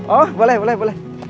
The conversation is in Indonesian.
oh boleh boleh boleh